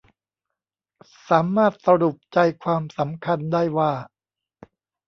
สามารถสรุปใจความสำคัญได้ว่า